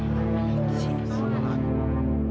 jangan kamu teruskan edo